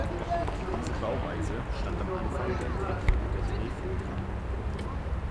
Diese Bauweise stand am Anfang der Entwicklung der Drehflügler.